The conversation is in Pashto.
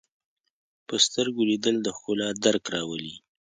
په سترګو لیدل د ښکلا درک راولي